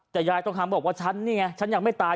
แต่ยายทองคำบอกว่าฉันยังไม่ตาย